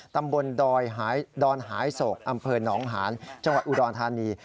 ตำบลดอยดอนหายโศกอำเภอหนองหานจังหวัดอุดรธานี